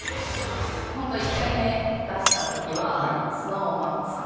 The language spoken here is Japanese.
本当は１回目出した時はＳｎｏｗＭａｎさん